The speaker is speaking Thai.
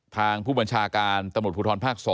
ทางผู้บัญชาการตำรวจภูทรภาค๒